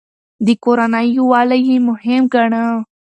د کورنۍ يووالی يې مهم ګاڼه.